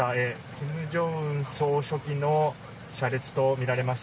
金正恩総書記の車列とみられます。